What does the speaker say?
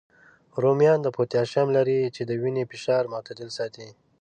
رومیان پوتاشیم لري، چې د وینې فشار معتدل ساتي